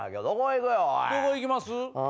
どこ行きます？